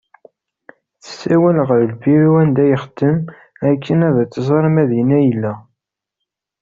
Tessawal ɣer lbiru anda ixeddem akken ad tẓer ma dinna i yella.